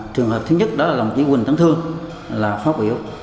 trường hợp thứ nhất đó là đồng chí huỳnh thắng thương là phát biểu